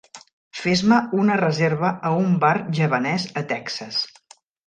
Fes-me una reserva a un bar javanès a Texas